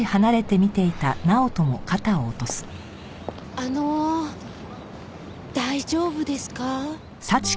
あの大丈夫ですか？